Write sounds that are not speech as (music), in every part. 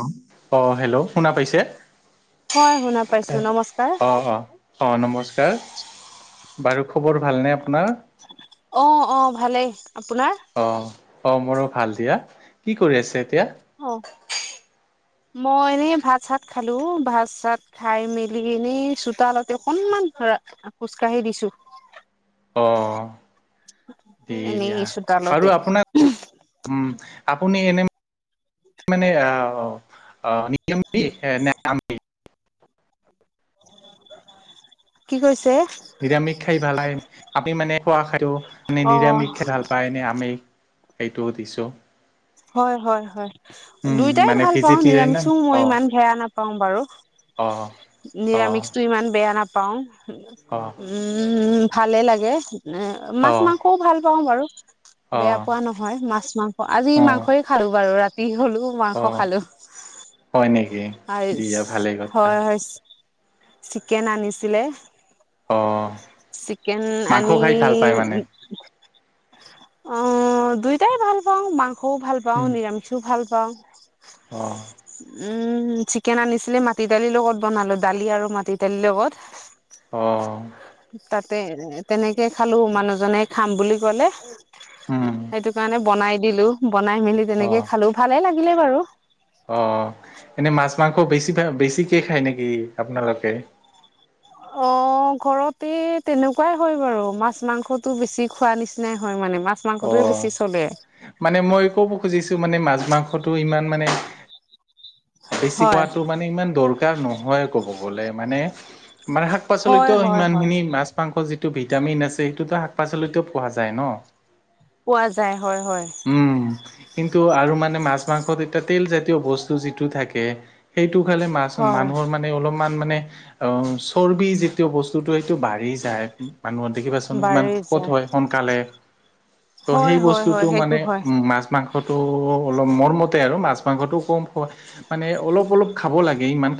অ', অহ হেল্ল', শুনা পাইছে? হয় শুনা পাইছো নমস্কাৰ অহ অহ অহ নমস্কাৰ। বাৰু খবৰ ভালনে আপোনাৰ? অহ অহ, ভালেই। আপোনাৰ? অঁ অঁ মোৰো ভাল দিয়া। কি কৰি আছে এতিয়া? অ মই এনেই ভাত চাত খালো ভাত চাত খাই মেলি এনেই চোতালতে অকনমান ধৰা খোজ কঢ়ি দিছো। অ' এনেই দিয়া বাৰু চোতালতে। আপোনাক উম আপুনি এনে মানে অ অ নিয়ম পি নে আম পি কি কৈছ নৃত্যৌ ৎঞ যে নিৰামিষ খাই ভাল হয় আপুনি মানে খোৱা খাদ্যবোৰ মানে অ নিৰামিষ খাই ভাল পায়। পায় এনে আমিষ সেইটো সুধিছো। হয় হয় হয় উম, দুয়টাই মানে ভাল পাও ভেজিটেৰিয়ান নিৰামিষো মই অ' ইমান বেয়া না পাও বাৰু অ' অ' অ' নিৰামিষটো ইমান বেয়া নাপাও। উম ভালে লাগে এ মাছ অ' মাংসও ভাল পাওঁ বাৰু। বেয়া পোৱা নহয় মাছ মাংস আজি অ' মাংসই খালো বাৰু ৰাতি হলো। অ হয় নেকি আৰু দিয়া ভালেই কথা হয় হয় চিকেন আনিছিলে। অ চিকেন মাংস আনি খাই ভাল পায় মানে উম অ দুইটাই ভাল পাওঁ মাংসও ভাল পাওঁ উম নিৰামিষও ভাল পাওঁ। অ উম উম চিকেন আনিছিলে মাটি দালিৰ লগত বনালো দালি আৰু মাটি দালিৰ লগত। অ তাতে তেনেকে খালো মানুহজনে খাম বুলি ক'লে উম সেইটো কাৰণে বনাই দিলো বনাই মেলি অ তেনেকে খালো ভালে লাগিলে বাৰু। অ এনেই মাছ মাংস বেছিকাই বেছিকে খায় নেকি আপোনালোকে? অ ঘৰতে তেনেকোৱাই হয় বাৰু মাছ মাংসতো বেছি খোৱা নিচিনাই হয় মানে মাছ অ মাংসটোৱেই বেছি চলে মানে মই ক'ব খুজিছো মানে মাছ মাংসটো ইমান মানে বেছি হয় খোৱাতো মানে ইমান দৰকাৰ নহয় কব গলে মানে মানে শাক হয় পাচলিতো হয় হয় সিমানখিনি মাছ মাংস যিটো ভিটামিন আছে সেইটোতো শাক পাচলিতো পোৱা যায় ন। পোৱা যায় হয় হয়। উম কিন্তু আৰু মানে মাছ মাংসত এতিয়া তেল জাতীয় বস্তু যিটো থাকে সেইটো খালে মাছ হয় মানুহৰ মা মানে অলপমান মানে অ চৰ্বি যিটো বস্তুতো সেইটো বাঢ়ি যায়। মানুহৰ দেখিবা চোন ইমান বাঢ়ি শক'ত যায় হয় সোনকালে ত' হয় সেই হয় বস্তুতো হয় সেইটো মানে হয় উ মাছ মাংস মাংসটো অলপ মৰমতে আৰু মাছ মাংসটো কম খোৱা মানে অলপ অলপ খাব লাগে ইমান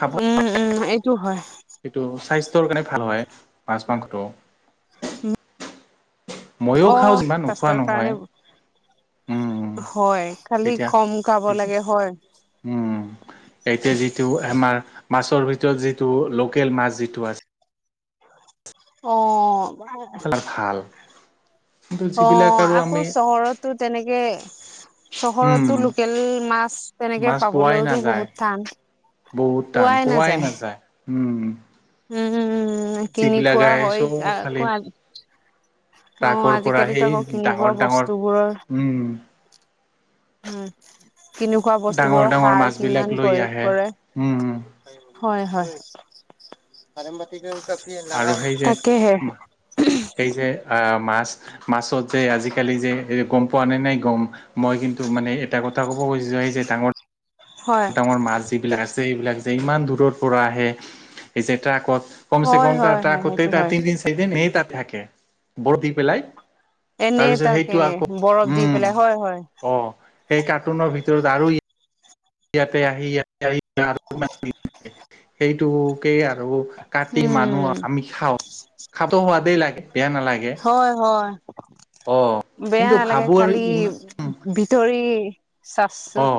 খাব উম উম এইটো হয় সেইটো স্বাস্থ্যৰ কাৰণে ভাল হয় মাছ মাংসটো ময়ো অ খাও যিমান নোখোৱা স্বাস্থ্যৰ কাৰণে নহয়। উম হয় খালি কম খাব এতিয়া লাগে হয়। উম এতিয়া যিটো আমাৰ মাছৰ ভিতৰত যিটো লোকেল মাছ যিটো আছে অ ভাল কিন্তু অ যিবিলাক আৰু আকৌ আমি চহৰতো তেনেকে উম, চহৰতো লোকেল মাছ তেনেকে মাছ পোৱাই পাবলৈওতো নাযায় বহুত টান। বহুত টান পোৱাই নাযায় উম উ কিনি যিবিলাক খোৱা আহে হয় চব আ আকৌ খালি আ ট্ৰাকৰ পৰা সেই আকৌ কিনি খোৱা ডাঙৰ ডাঙৰ বস্তুবোৰৰ উম উম কিনি খোৱা ডাঙৰ বস্তুবোৰৰ ডাঙৰ সাৰ মাছবিলাক কিমান লৈ প্ৰয়োগ আহে কৰে উম, হয় হয় তাকেহে এই যে আহ মাছ মাছত যে আজিকালি যে এই গম পোৱা নে নাই গম মই কিন্তু মানে এটা কথা ক'ব খুজিছোঁ এই যে ডাঙৰ হয় ৰ মাছ যিবিলাক আছে এইবিলাক যে ইমান দূৰৰ পৰা আহে এই যে ট্ৰাকত কমছে হয় কম ট্ৰা হয় হয় ট্ৰাকতে সেইটো তা হয় তিনদিন চিৰিদিন এই তাত থাকে বৰ দি পেলাই তাৰ এনেই পিছত তাকে সেইটো আকৌ বৰফ দি উম পেলাই হয় হয় অ সেই কাৰ্টুনৰ ভিতৰত আৰু ই ইয়াতে আহি ইয়াতে আহি (unintelligible) সেইটোকেই আৰু কাটি মানুহ উম আমি খাওঁ খাইটো সোৱাদেই লাগে বেয়া নালাগে হয় হয় অ বেয়া কিন্তু নালাগে ভাবো আৰু খালি ইমান ভিতৰি অ চাচচত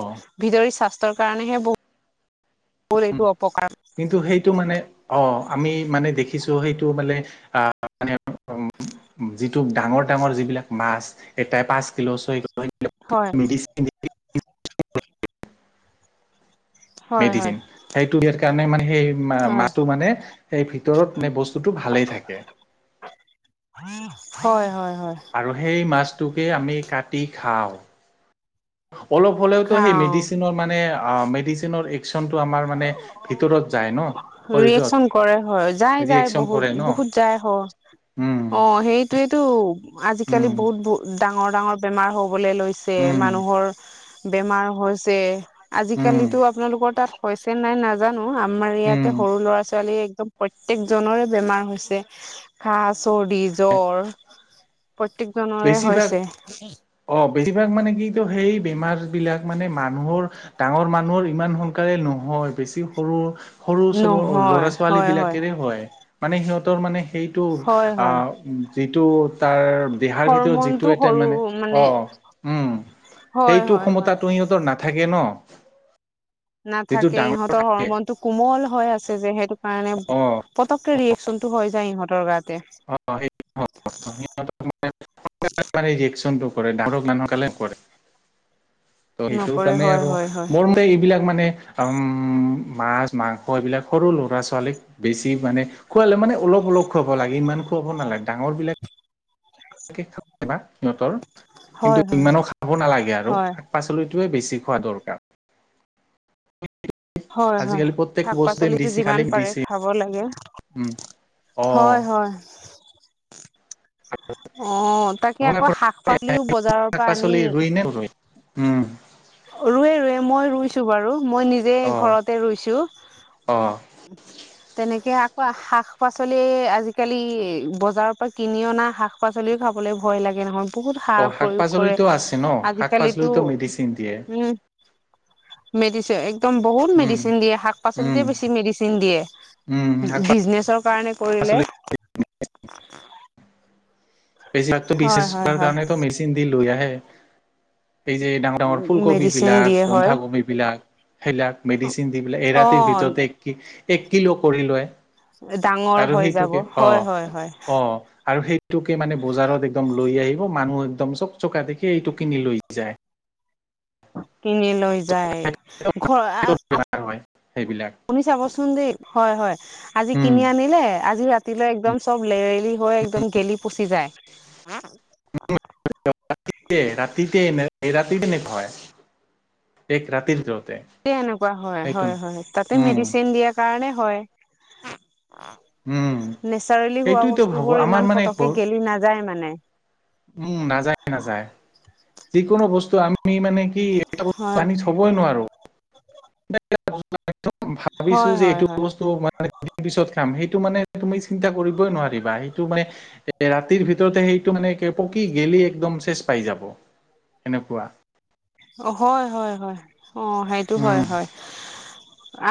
ভিতৰী স্বাস্থ্যৰ কাৰণেহে বহুত এইটো অপকাৰ কিন্তু সেইটো মানে অ আমি মানে দেখিছো সেইটো মানে আ মানে অম যিটো ডাঙৰ ডাঙৰ যিবিলাক মাছ এটাই পাঁচ কিলো ছয় ক হয় মেডিচিন দি কিনে হয় হয় মেডিচিন সেইটো ইয়াৰ কাৰণে মানে সেই মা হয় মাটো মানে সেই ভিতৰত মানে বস্তুটো ভালেই থাকে হয় হয় হয় আৰু সেই মাছটোকে আমি কাটি খাওঁ অলপ হ'লেওতো সেই খাওঁ মেডিচিনৰ মানে আ মেডিচিনৰ এ ন শৰীৰত ৰিয়েকচন কৰে হয় যাই যাই ৰিয়েকচন কৰে ন বহুত বহুত যাই হ অ উম সেই এইয়েইটো উম আজিকালি বহুত ব ডাঙৰ ডাঙৰ বেমাৰ হবলৈ লৈছে উম মানুহৰ বেমাৰ হৈছে উম আজিকালিতো আপোনালোকৰ তাত হৈছেনে নাই নাজানো আমাৰ উম ইয়াতে সৰু ল'ৰা ছোৱালী একদম প্ৰত্যেক জনৰে বেমাৰ হৈছে কাহ চৰ্দি জ্বৰ প্ৰত্যেক জনৰে বেছিভাগ হৈছে অ বেছিভাগ মানে সেইটো সেই বেমাৰ বিলাক মানে মানুহৰ ডাঙৰ মানুহৰ ইমান সোনকালে নহয় বেছি সৰু সৰু চৰু নহয় ল'ৰা ছোৱালী হয় বিলাকেৰে হয় মানে সিহঁতৰ মানে সেইটো হয় আ হয় যিটো তাৰ দেহাৰ ভিতৰত হৰমনটো যিটো এটা সৰু মানে অ উম হয় সেইটো হয় হয় ক্ষমতাটো সিহঁতৰ না থাকে ন যিটো নাথাকে ডাঙৰ ইহঁতৰ হৰ থাকে মন টো কোমল হৈ আছে যে সেইটো কাৰণে অ পতককে ৰিয়েকচন টো হৈ যায় ইহঁতৰ গাতে অ সেইটো (unintelligible) (unintelligible) ৰিয়েকচনটো কৰে ডাঙৰক সোনকালে নকৰে সেইটো নপৰে কাৰণে হয় আৰু হয় হয় মোৰ এইবিলাক মানে আম মাছ মাংস এইবিলাক সৰু লৰা ছোৱালীক বেছি মানে খুৱালে মানে অলপ অলপ খুৱাব লাগে ইমান খুৱাব নালাগে ডাঙৰ বিলাক সিহঁতৰ হয় কিন্তু হয় ইমানো খাব নালাগে আৰু হয় পাচলিটোৱে বেছি খোৱা দৰকাৰ হয় হয় আজিকালি প্ৰত্যেক শাক বস্তুৱে পাচলিতো মেডিচিন খালি যিমান পাৰে মেডিচিন খাব লাগে উম অ হয় হয় অ তাকে আপোনাৰ আকৌ ঘৰত শাক পাচলিও বজাৰৰ শাক পৰা আনি (unintelligible) উম। ৰুৱে ৰুৱে মই ৰুইছো বাৰু মই নিজে অ ঘৰতে ৰুইছো হা অ হা। (unintelligible) তেনেকে আকৌ শাক-পাচলি আজিকালি বজাৰৰ পৰা কিনি অনা শাক শাক-পাচলি খাবলৈ ভয় লাগে নহয় বহুত অ সাৰ শাক প্ৰয়োগ কৰে আহ পাচলিতো আছে ন হা হা শাক আজিকালিতো পাচলিতো মেডিচিন দিয়ে। (unintelligible) মেডিচেন। একদম বহু উম মেডিচিন দিয়ে শাক-পাচলিতে উম বেছি মেডিচিন দিয়ে উম শাক বিজনেছৰ কাৰণে পৰিলে। পাচলি বেছিভাগটো হয় বিজনেছ হয় কৰাৰ হয় কাৰণেতো মেডিচেন দি লৈ আহে। সেই যে এই ডাঙৰ-ডাঙৰ ফুলকবি মেডিচিন বিলাক দিয়ে হয় বন্ধাকবি বিলাক সেইবিলাক মেডিচিন দি বিলাক এক অ ৰাতিৰ ভিতৰতে এক কিলো কৰি লয়। ডাঙৰ আৰু হৈ যাব সেইটোকে অ হয় হয় হয় অ আৰু সেইটো এইটোকে মানে বজাৰত একদম লৈ আহিব মানুহ একদম চব চকা দেখি এইটো কিনি লৈ যায়। খু, কিনি লৈ যায় হে আহ ঘ আ আ আপ বেমাৰ হয় সেইবিলাক আপুনি চাবচোন দেই। হয় হয়, আজি উম কিনি আনিলে আজি ৰাতি তিলৈ একদম চব লেৰেলি হৈ একদম গেলি পচি যায় হা। (unintelligible) (unintelligible) ৰাতিতে ৰাতিতে এনেকুৱা হয়। এক ৰাতিৰ ভিতৰতে। তে এনেকুৱা হয় সেইটো ন। হয় হয় তাতে উম মেডিচিন দিয়াৰ কাৰণে হয় পেপ পু। উম হে নেচাৰেলি হোৱা সেইটোতো বস্তু ভাবো বোৰ আমাৰ ইমান মানে ঘৰ পতকে গেলি নাযায় মানে উম উ, নাযায় নাযায়, যিকোনো বস্তু আমি মানে কি এটা বস্তু হয় আনিছো থ'বই নোৱাৰো (unintelligible) ভাবিছো হয় যে হয় এইটো হয় বস্তু মানে মানে দুদিন পিছত খাম সেইটো মানে তুমি চিন্তা কৰিবই নোৱাৰিবা সেইটো মানে এ ৰাতিৰ ভিতৰতে সেইটো মানে একে পকি গেলি একদম চেছ পাই যাব সেনেকুৱা। অ হয় হয় হয়, অ সেইটো হয় উম হয় হা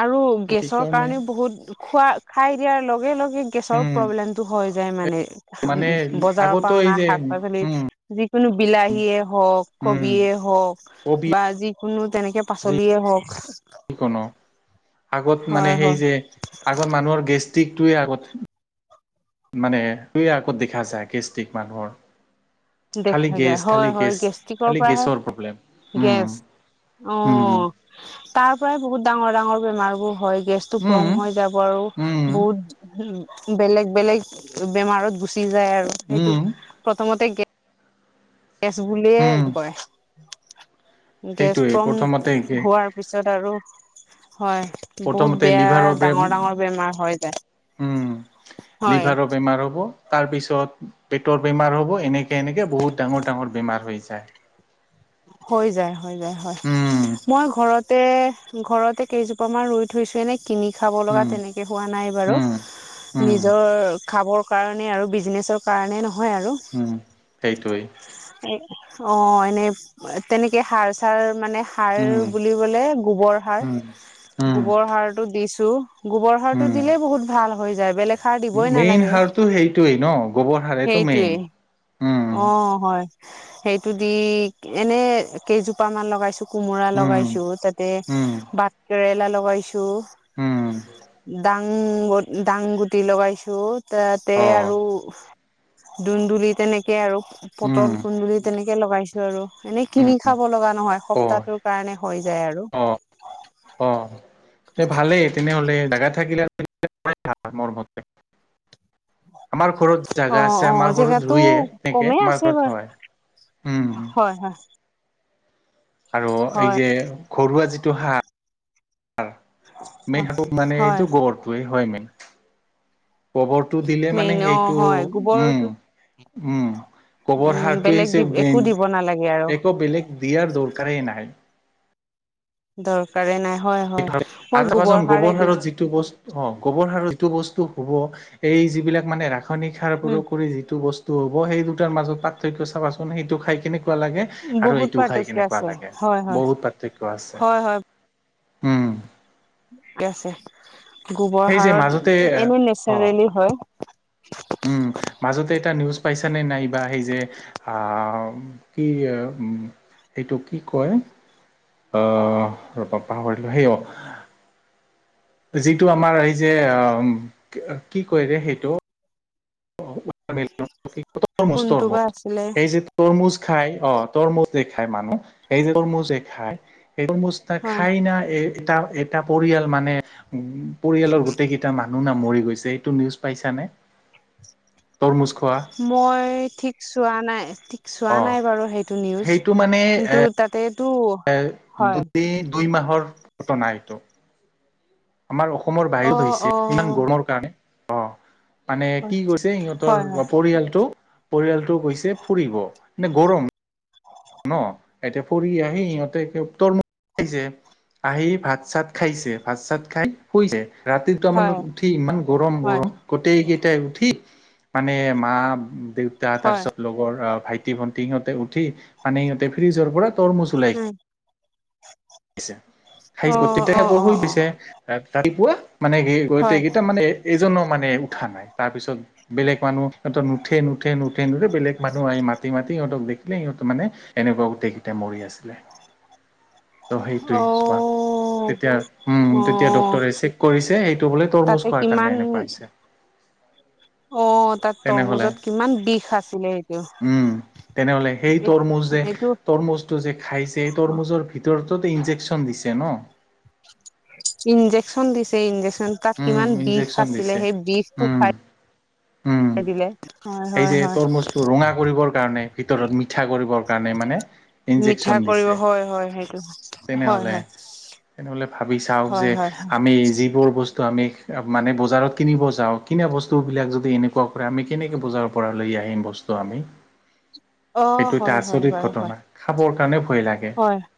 আ আ আ। আৰু ত গেছৰ সেইকাৰণে কাৰণে বহুত খোৱা খাই দিয়াৰ লগে লগে গেছৰ উম প্ৰব্লেমটো হয়। যায় মানে হা উম মানে উম বজাৰৰ পৰা আগতো এই অনা যে শাক-পাচলি উম যিকোনো বিলাহীয়ে হওক উম কবিয়ে হওক উ কবি বা যিকোনো তেনেকে পাচলিয়ে হওক। কি কনো আগত মানে হয় সেই হয় যে আগত মানুহৰ গেষ্টিকটোৱে আগত মানে এই আগত দেখা যায় গেষ্টিক মানুহৰ খালি দেখা যায় গেছ হয় খালি হয় গেছ গেষ্টিকৰ খালি পৰাহে গেছৰ প্ৰব্লেম উম গেছ অ অ। উম এ হে তাৰ পৰাই বহুত ডাঙৰ-ডাঙৰ বেমাৰ বোৰ হয় গেছটো উম ফৰ্ম হৈ যাব আৰু উম বহুত উম উ বেলেগ বেলেগ বেমাৰত গুচি যায় আৰু সেইটো উম প্ৰথমতে গে গেছ বুলিয়ে উম কয়। গেছ সেইটোৱে প্ৰথমতে ফৰ্ম একে হোৱাৰ পিছত আৰু হয়। বহুত প্ৰথমতে লিভাৰৰ বেয়া বেম ডাঙৰ-ডাঙৰ বেমাৰ হয় উম যায়, হয়। লিভাৰৰ বেমাৰ হব তাৰপিছত পেটৰ বেমাৰ হ'ব এনেকে সে এনেকে বহুত ডাঙৰ-ডাঙৰ বেমাৰ হৈ যায়। হৈ যায় হৈ যায় হয়। উম মই ঘৰতে ঘৰতে কেইজোপা মান ৰুই থৈছো এনে কিনি খাব লগা উম তেনেকে হোৱা নাই বাৰু হে উম হে। হে এ উম নিজৰ খাবৰ কাৰণে আৰু বিজনেচৰ কাৰণে নহয় আৰু উমঁ' সেইটোৱেই। এ অঁ' এনেই তেনেকে সাৰ চাৰ মানে- সাৰ উম বুলিবলে গোবৰ সাৰ। উম উম গোবৰ সাৰটো দিছোঁ, গোবৰ সাৰ টো উম দিলে বহুত ভাল হৈ যায়, বেলেগ- খাৰ দিবয়ে মেইন নালাগে, সাৰটো সেইটোৱেই ন গোবৰ সাৰেটো সেইটোৱে মেইন উম অঁ' হয়। সেইটো দি এনে কেইজোপা মান লগাইছো। কোমোৰা উম লগাইছো তাতে উম, বাট কেৰেলা লগাইছো- উম। দাং, দাং গুটি লগাইছো তাতে অ'। আৰু দুন্দুলি তেনেকে আৰু পটল, উম, কুন্দুলি তেনেকে লগাইছো আৰু। এনে কিনি উম। খাব লগা নহয় অ', সপ্তাহটোৰ কাৰণে হৈ যায় আৰু। অ'। ভালে তেনে হ'লে জাগা থাকিলে (unintelligible) মোৰ মতে। আমাৰ ঘৰত অ জাগা আছে, অ আমাৰ ঘৰত জেগাতো ৰুইয়ে থাকে কমেই আমাৰ আছে ঘৰত বাৰু হয়। উম। হয় হয়। আৰু হয় এইযে ঘৰুৱা যিটো হাঁহ হয় (unintelligible) মানে হয় এইটো ঘৰটোৱে হয় মেইন। গোবৰটো দিলে মানে মেইন অ সেইটো হয় উমঁ' গোবৰটো উমঁ'। গোবৰ উম সাৰটোৱে বেলেগ দি হৈছে একো মেইন, দিব নালাগে আৰু একো বেলেগ দিয়াৰ দৰকাৰে নাই। দৰকাৰে নাই হয় হয়, মই গোবৰ সাৰে দিওঁ। সিটো ব অঁ' গোবৰ সাৰৰ যিটো বস্তু হ'ব এই যিবিলাক মানে ৰাসায়নিক সাৰ প্ৰয়োগ কৰি যিটো বস্তু ৰুব সেই দুটাৰ মাজত পাৰ্থক্য চাবাচোন সেইটো খাই কেনেকুৱা লাগে। উম আৰু বহুত এইটো খাই পাৰ্থক্য কেনেকুৱা আছে লাগে, হয় হয় বহুত পাৰ্থক্য আছে। হয় উমঁ'। ঠিকে আছে, গোবৰ সেই যে সাৰত মাজতে এনেই ন্যাচাৰেলি হয়। উমঁ' মাজতে এটা নিউজ পাইছা নে নাই বা সেই যে আহ' কি উমঁ' এইটো কি কয়- অঁ' ৰবা পাহৰিলোঁ, সেই- যিটো আমাৰ এই যে কি কয় ৰে সেইটো। (unintelligible) কোনটো বা আছিলে তৰমুজ খাই অ', তৰমুজ যে খায় মানুহ, এই তৰমুজ খায়, তৰমুজ হয় খাই না এ এটা এটা পৰিয়াল মানে পৰিয়ালৰ গোটেইকেইটা মা মানুহ না মৰি গৈছে, এইটো নিউজ পাইছা নে তৰমুজ খোৱা? মই ঠিক চোৱা নাই, ঠিক চোৱা অ নাই বাৰু সেইটো নিউজ সেইটো মানে কিন্তু এ তাত তেটো, হয়। দুই দুই মাহৰ ঘটনা এইটো। আমাৰ অসমৰ অ বাহিৰত হৈছে অ ইমান গৰমৰ কাৰণে অঁ'। মানে কি কৰিছে সিহঁতৰ হয় হয় পৰিয়ালটো, পৰিয়ালটো গৈছে ফুৰিব, নে গৰম- ন' এতিয়া ফুৰি আহি সিহঁতে একে তৰমুজ খাইছে। আহি ভাত চাত খাইছে, ভাত চাত খাই শুইছে। ৰাতি দুটা মানত হয় উঠি ইমান গৰম হয় গৰম। গোটেই কেইটাই উঠি মানে মা, দেউতা হয় তাৰপিছত লগৰ আহ' ভাইটি, ভন্টি সিহঁতে উঠি পানী সিহঁতে ফ্ৰিজৰ পৰা তৰমুজ ওলাই (unintelligible) খাইছে, খাই অ গোটেইকেইটাই অ অ অ ৰাতিপুৱা মানে হয় গোটেইকেইটা মানে এজনো মানে উঠা নাই, তাৰপিছত বেলেগ মানুহ সিহঁতে নুঠে নুঠে নুঠে নুঠে বেলেগ মানুহ আহি মাতি মাতি সিহঁতক দে দেখিলে সিহঁত মানে এনেকুৱা গোটেই কেইটা মৰি আছিলে। ত সেইটোৱে অ চোৱা। তেতিয়া উম অ তেতিয়া ডাক্তৰে চেক কৰিছে এইটো বোলে তৰমুজ তাতে খোৱাৰ কাৰণে কিমান এনেকুৱা হৈছে। অ' তাত তেনেহ'লে তৰমুজত কিমান বিষ আছিলে উম সেইটো। তেনেহ'লে সেই তৰমুজ যে, এইটো তৰমুজটো যে খাইছে, তৰমুজৰ তোৰ' তোত ইঞ্জেকচন দিছে ন ইঞ্জেকচন দিছে ইঞ্জেকচন তাত উম কিমান বিষ ইনজেকচন আছিলে। দিছে সেই বিষটো উম খাই (unintelligible) উম, হয় সেই হয় যে হয় তৰমুজটো ৰঙা কৰিবৰ কাৰণে, ভিতৰত মিঠা কৰিবৰ কাৰণে মানে মিঠা ইনজেকচন কৰিব দিছে হয়, হয় সেইটো হয়, তেনেহ'লে হয়। তেনেহ'লে ভাবি চাওঁক হয় যে হয় হয় আমি যিবোৰ বস্তু ত আমি মানে বজাৰত কিনিব যাওঁ। কিনা বস্তুবিলাক যদি এনেকুৱা কৰে, আমি কেনেকৈ বজাৰৰ পৰা লৈ আহিম বস্তু। ত আমি। অ সেইটো এটা হয়, হয় আচৰিত হয় হয়। ঘটনা খাবৰ কাৰণে ভয় লাগে। হয়।